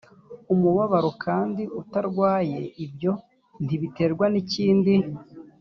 umubabaro kandi utarwaye ibyo ntibiterwa n ikindi